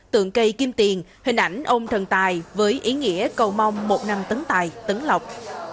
tượng cây kim tiền hình ảnh ôm thần tài với ý nghĩa cầu mong một năm tấn tài tấn lộc